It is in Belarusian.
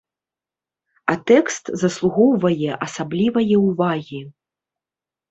А тэкст заслугоўвае асаблівае ўвагі.